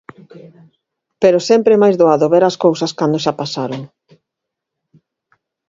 Pero sempre é máis doado ver as cousas cando xa pasaron.